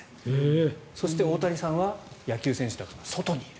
そして、大谷さんは野球選手だから外にいる。